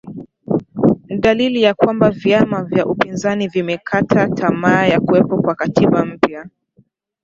ni dalili ya kwamba viama vya upinzani vimekata tamaa ya kuwepo kwa katiba mpya